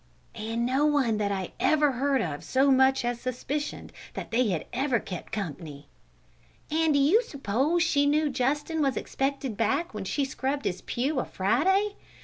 ("And no one that I ever heard of so much as suspicioned that they had ever kept company!") ("And do you s'pose she knew Justin was expected back when she scrubbed his pew a Friday?")